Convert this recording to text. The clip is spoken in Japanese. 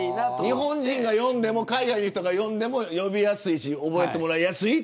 日本人が読んでも海外でも読みやすいし覚えてもらいやすい。